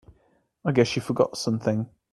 I guess you forgot something.